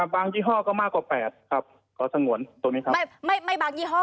อ่าบางยี่ห้อก็มากกว่าแปดครับขอสังหวนตรงนี้ครับไม่ไม่ไม่บางยี่ห้อ